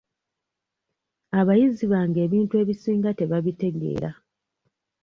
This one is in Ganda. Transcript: Abayizi bange ebintu ebisinga tebabitegeera.